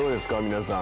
皆さん。